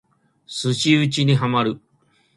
寿司打にハマる